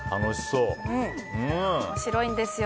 面白いんですよ。